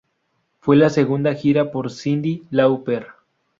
Fue la segunda gira por Cyndi Lauper.